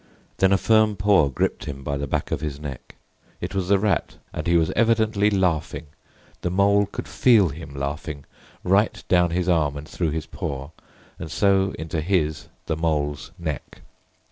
Then a firm paw gripped him by the back of his neck. It was the Rat, and he was evidently laughing—the Mole could feel him laughing, right down his arm and through his paw, and so into his—the Mole's—neck.